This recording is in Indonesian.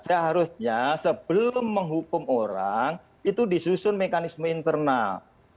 seharusnya sebelum menghukum orang itu disusun mekanisme internal